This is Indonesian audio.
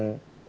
pop yang biasa